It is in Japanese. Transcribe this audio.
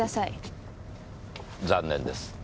残念です。